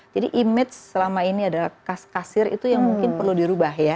jadi image selama ini adalah kasir itu yang mungkin perlu dirubah ya